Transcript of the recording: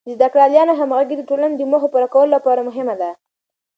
د زده کړیالانو همغږي د ټولنې د موخو د پوره کولو لپاره مهمه ده.